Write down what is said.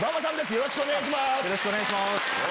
よろしくお願いします。